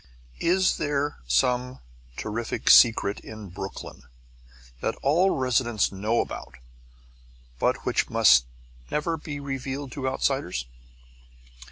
Is there some terrific secret in Brooklyn that all residents know about but which must never be revealed to outsiders?